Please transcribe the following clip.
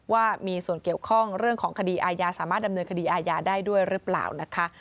ว่ามีส่วนเกี่ยวข้องเรื่องของคดีอาญาสามารถดำเนินคดีอาญาได้ด้วยหรือเปล่านะคะ